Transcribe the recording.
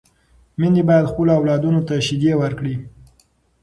میندې باید خپلو اولادونو ته شیدې ورکړي.